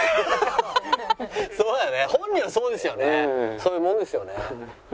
そういうもんですよね。